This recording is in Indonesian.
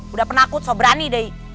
udah penakut so berani deh